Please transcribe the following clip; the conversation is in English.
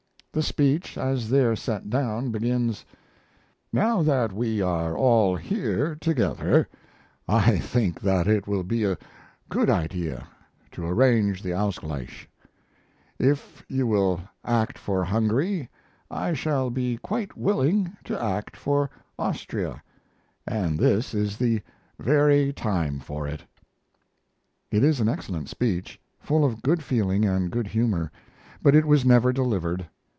The speech as there set down begins: Now that we are all here together I think that it will be a good idea to arrange the Ausgleich. If you will act for Hungary I shall be quite willing to act for Austria, and this is the very time for it. It is an excellent speech, full of good feeling and good humor, but it was never delivered.